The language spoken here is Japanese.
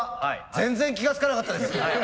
全然気が付かなかったです。